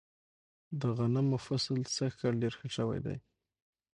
د غنمو فصل سږ کال ډیر ښه شوی دی.